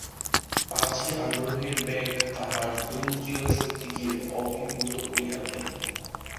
পাছে আগ্রহের বেগ তাহার ইন্দ্রিয়শক্তিকে অভিভূত করিয়া ফেলে।